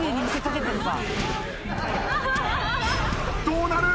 どうなる？